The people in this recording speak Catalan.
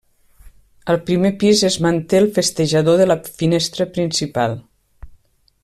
Al primer pis es manté el festejador de la finestra principal.